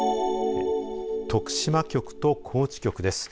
徳島局と高知局です。